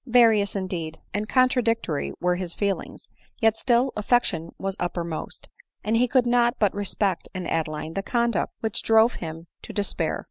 Various, indeed, and contradictory were his feelings ; yet still affection was uppermost ; and he could not but respect in Adeline the conduct which drove him to de spair.